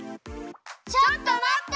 ちょっと待っと！